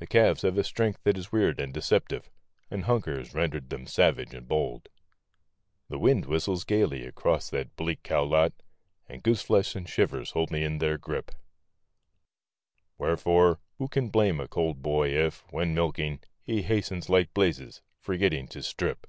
The calves have a strength that is weird and deceptive, and hunger has ren¬ dered them savage and bold. The wind whistles gayly across that bleak cowlot, and gooseflesh and shivers hold me in their grip, Wherefore—who can blame a cold boy if, when milking, he hastens like blazes, forgetting to "strip?"